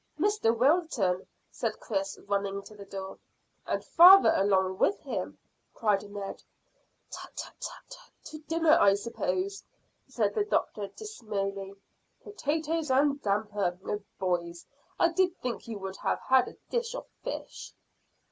"Mr Wilton," said Chris, running to the door. "And father along with him," cried Ned. "Tut, tut, tut! To dinner, I suppose," said the doctor dismally. "Potatoes and damper! Oh, boys, I did think you would have had a dish of fish."